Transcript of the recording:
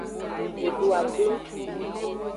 Mi du ablo.